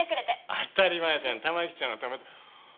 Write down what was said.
当たり前じゃんたまきちゃんのため。